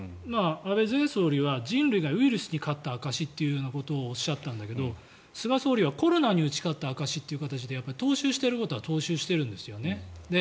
安倍前総理は人類がウイルスに勝った証しとおっしゃったんだけど菅総理はコロナに打ち勝った証しということで踏襲していることは踏襲してるんですよね。